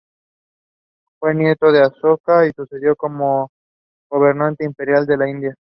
C.. Fue nieto de Aśoka y le sucedió como gobernante imperial de la India.